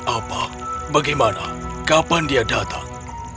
apa bagaimana kapan dia datang